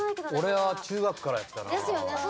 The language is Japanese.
俺は中学からやったなぁ。